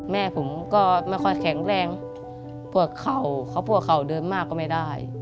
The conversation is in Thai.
แม่ผมก็ไม่ค่อยแข็งแรงพวกเข่าเขาพวกเขาเดินมากก็ไม่ได้